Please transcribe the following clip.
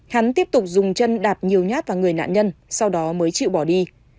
hắn tiếp tục dùng chân đạp nhiều nhát vào người nạn nhân sau đó mới chịu bỏ đi